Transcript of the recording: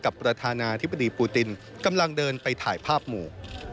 กับประธานาธิพฤติปุตินกำลังเดินไปถ่ายภาพหมู